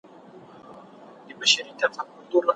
خپل ورېښتان په مناسب ډول ساتئ.